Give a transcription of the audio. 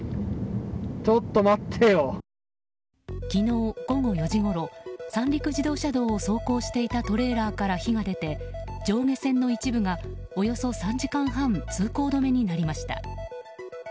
昨日午後４時ごろ三陸自動車道を走行していたトレーラーから火が出て上下線の一部が、およそ３時間半通行止めになりました。